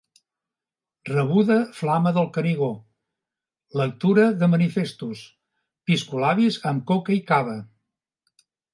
Rebuda Flama del Canigó, lectura de manifestos, piscolabis amb coca i cava.